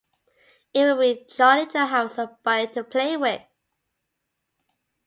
It will be jolly to have somebody to play with.